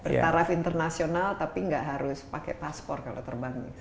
bertaraf internasional tapi tidak harus pakai paspor kalau terbang